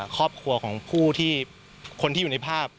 ครอบครัวของคนที่อยู่ในภาพ